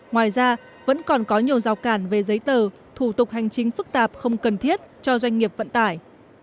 ngoài ra vẫn còn có nhiều rào cản về giấy tờ thủ tục hành chính phức tạp không cần thiết cho doanh nghiệp vận tải